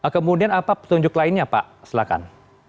kemudian apa petunjuk lainnya pak silakan